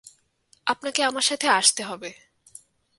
আপনাকে আমার সাথে আসতে হবে।